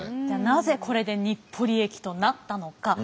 じゃあなぜこれで日暮里駅となったのか。